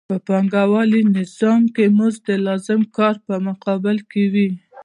په پانګوالي نظام کې مزد د لازم کار په مقابل کې وي